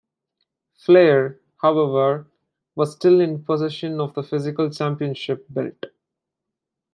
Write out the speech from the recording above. Flair, however, was still in possession of the physical championship belt.